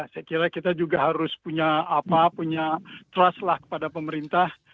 saya kira kita juga harus punya trust lah kepada pemerintah